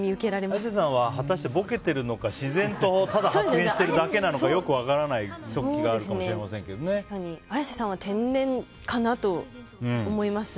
綾瀬さんは果たしてボケてるのか自然とただ発言してるだけなのかよく分からない時が綾瀬さんは天然かなと思います。